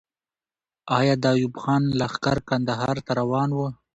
آیا د ایوب خان لښکر کندهار ته روان وو؟